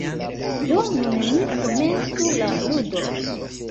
Do nun ni komencu la ludon.